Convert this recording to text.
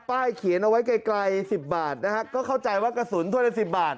ป้ายเขียนเอาไว้ไกล๑๐บาทนะครับก็เข้าใจว่ากระสุนถ้วยละ๑๐บาท